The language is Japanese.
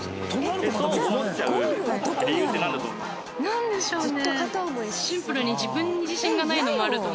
なんでしょうね。